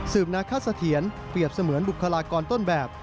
สืบนาคาเสธียันเพียบเสมือนบุคลากรต้นแบบ